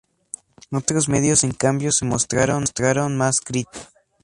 Otros medios en cambio se mostraron más críticos.